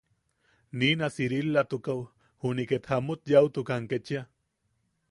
Niina Siriilatukaʼu juni ket jamut yaʼutukan kechia.